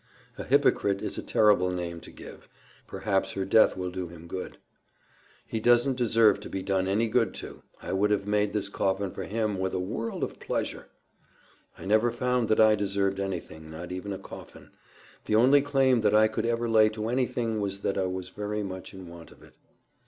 A hypocrite is a terrible name to give. Perhaps her death will do him good." "He doesn't deserve to be done any good to. I would have made this coffin for him with a world of pleasure." "I never found that I deserved anything, not even a coffin. The only claim that I could ever lay to anything was that I was very much in want of it."